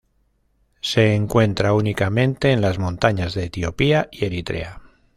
Se encuentra únicamente en las montañas de Etiopía y Eritrea.